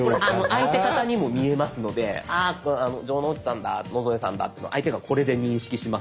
相手方にも見えますので城之内さんだ野添さんだって相手がこれで認識しますので。